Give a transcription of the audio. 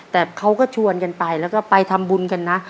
แต่เขาก็ชวนกันไปแล้วก็ไปทำบุญกันนะ